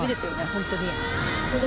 ホントに。